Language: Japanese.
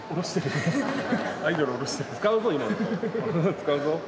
使うぞ。